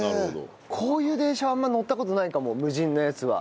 こういう電車はあんまり乗った事ないかも無人のやつは。